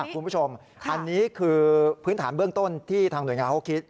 คุณผู้ชมอันนี้คือพื้นฐานเบื้องต้นที่ทางหน่วยงานเขาคิด